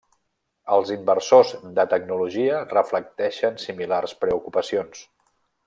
Els inversors de tecnologia reflecteixen similars preocupacions.